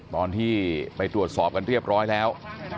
ตอนที่ไปตรวจสอบกันเรียบร้อยแล้ว